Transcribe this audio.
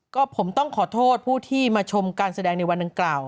ก็ผมต้องขอโทษผู้ที่มาชมการแสดงในวันดังกล่าว